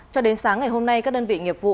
cho đến sáng ngày hôm nay các đơn vị nghiệp vụ